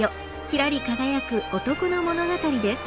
キラリ輝く男の物語です。